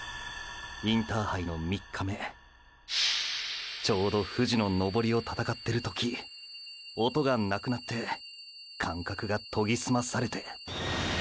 インターハイの３日目ちょうど富士の登りを闘ってる時音がなくなって感覚が研ぎ澄まされて。